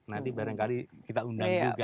nanti barangkali kita undang juga